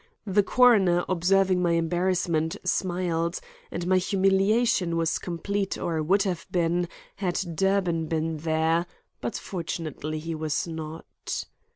The coroner observing my embarrassment, smiled, and my humiliation was complete or would have been had Durbin been there, but fortunately he was not.